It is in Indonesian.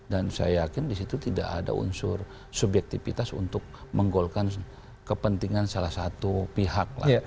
dan saya yakin di situ tidak ada unsur subyektivitas untuk menggolkan kepentingan salah satu pihak